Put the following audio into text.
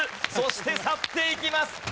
そして去っていきます！